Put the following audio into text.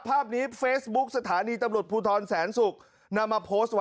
ภาพนี้เฟซบุ๊คสถานีตำรวจภูทรแสนศุกร์นำมาโพสต์ไว้